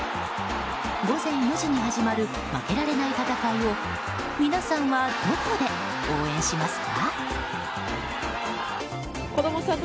午前４時に始まる負けられない戦いを皆さんはどこで応援しますか？